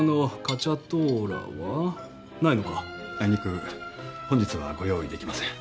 あいにく本日はご用意できません。